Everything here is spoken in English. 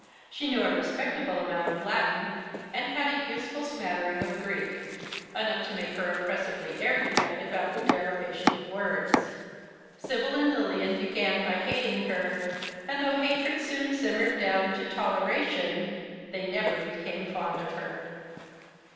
She knew a respectable amount of Latin, and bad a useful smat tering of Greek — enough to make her oppressively erudite about the derivation of words. Sibyl and Lilian began by hating her, and though hatred soon simmered down to toleration, they never became fond of her.